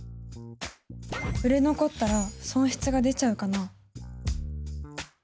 売れ残ったら損失が出ちゃうかな？